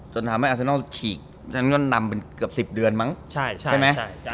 จนทำให้อัลเซนอลฉีกนำเป็นเกือบสิบเดือนมั้งใช่ใช่ใช่ใช่